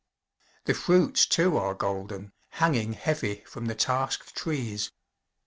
The fruits too are golden, hanging heavy from the tasked trees.